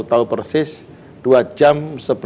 kemudian saya berpikir saya sudah berhenti